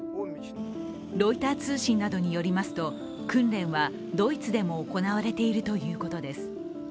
ロイター通信などによりますと、訓練はドイツでも行われているということです。